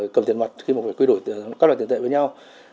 cầm tiền mặt khi mà phải quy đổi các loại tiền tệ với nhau